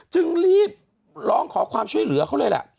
จึงรีบร้องขอความช่วยเหลือเขาเลยล่ะ